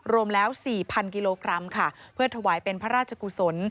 รวมแล้ว๔๐๐กิโลกรัมค่ะเพื่อถวายเป็นพระราชกุศล